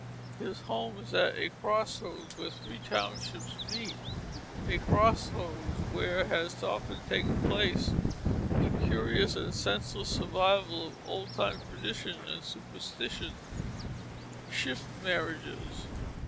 His home is at the cross roads where three townships meet, a cross roads where has often taken place that curious and senseless survival of old time tradition and superstition shift marriages.